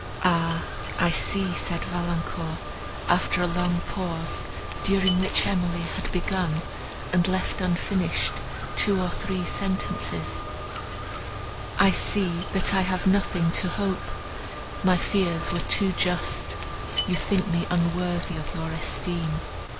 "Ah! I see," said Valancourt, after a long pause, during which Emily had begun, and left unfinished two or three sentences, "I see that I have nothing to hope; my fears were too just, you think me unworthy of your esteem.